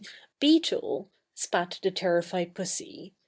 Beetle!" spat the terrified pussy.